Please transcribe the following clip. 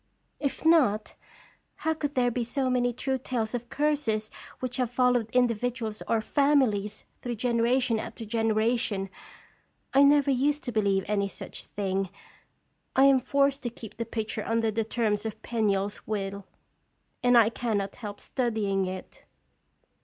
"If not, how could there be so many true tales of curses which have followed individuals or families through generation after genera tion. I never used to believe any such thing. I am forced to keep the picture under the terms of Penniel's will, and I cannot help studying it."